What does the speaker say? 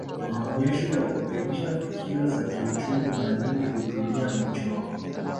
Maonyesho ya kubainisha fikira za kiuchumi mara nyingi hutumia michoro